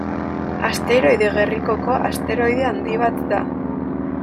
Asteroide gerrikoko asteroide handi bat da.